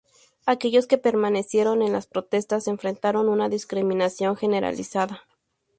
Aquellos que permanecieron en las protestas se enfrentaron a una discriminación generalizada.